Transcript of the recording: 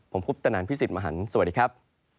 ผมพุพธนันทร์พี่สิทธิ์มหันธ์สวัสดีครับ